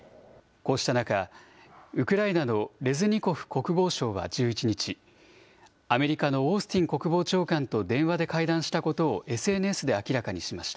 こうした中、ウクライナのレズニコフ国防相は１１日、アメリカのオースティン国防長官と電話で会談したことをＳＮＳで明らかにしました。